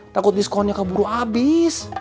takut diskonnya keburu abis